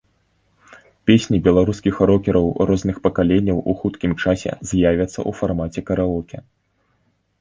Песні беларускіх рокераў розных пакаленняў у хуткім часе з'явяцца ў фармаце караоке.